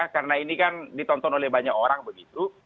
karena ini kan ditonton oleh banyak orang begitu